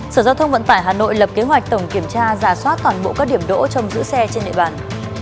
sở giao thông vận tải hà nội lập kế hoạch tổng kiểm tra giả soát toàn bộ các điểm đỗ trong giữ xe trên địa bàn